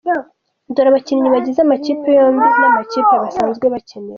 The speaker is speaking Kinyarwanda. Dore abakinnyi bagize amakipe yombi n’amakipe basanzwe bakinira:.